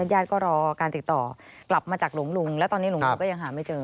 ญาติก็รอการติดต่อกลับมาจากหลวงลุงและตอนนี้หลวงลุงก็ยังหาไม่เจอ